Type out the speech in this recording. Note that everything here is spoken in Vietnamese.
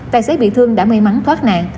tài xế bị thương đã may mắn thoát nạn